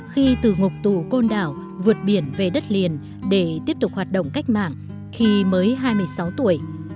khi từ ngục tù côn đảo vượt biển về đất liền để tiếp tục hoạt động cách mạng khi mới hai mươi sáu tuổi